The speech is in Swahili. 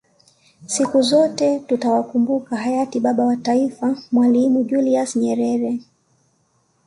Siku zote tutawakumbuka Hayati Baba wa taifa Mwalimu Julius Nyerere